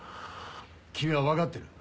君は分かってる。